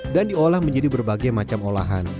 dan diolah menjadi berbagai macam olahan